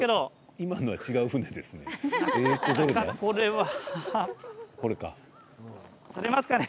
今のは違う船ですね。